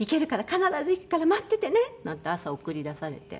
必ず行くから待っていてね」なんて朝送り出されて。